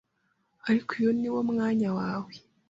ariko uyu niwo mwanya wawe